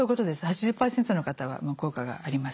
８０％の方は効果がありますね。